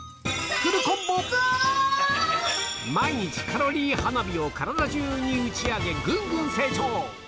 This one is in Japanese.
毎日カロリー花火を体中に打ち上げぐんぐん成長！